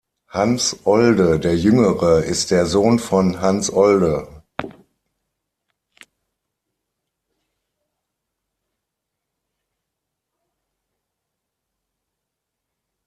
Hans Olde der Jüngere ist der Sohn von Hans Olde.